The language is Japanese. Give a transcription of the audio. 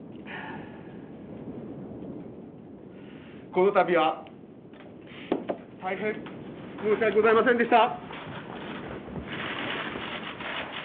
このたびは大変申し訳ございませんでした。